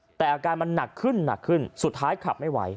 แต่อาการมันหนักขึ้นหนักขึ้นสุดท้ายขับไม่ไหว